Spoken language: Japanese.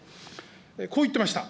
こう言ってました。